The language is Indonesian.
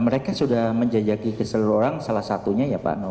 mereka sudah menjajaki ke seluruh orang salah satunya ya pak